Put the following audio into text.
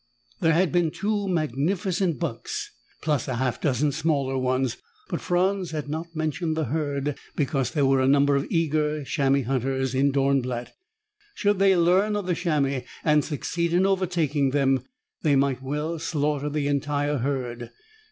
There had been two magnificent bucks, plus a half a dozen smaller ones, but Franz had not mentioned the herd because there were a number of eager chamois hunters in Dornblatt. Should they learn of the chamois and succeed in overtaking them, they might well slaughter the entire herd.